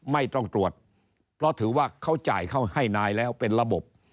ไม่ต้องตรวจเพราะถือว่าเขาจ่ายเขาให้นายแล้วเป็นระบบ